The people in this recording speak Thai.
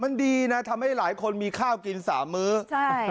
มันดีนะทำให้หลายคนมีข้าวกินสามมื้อใช่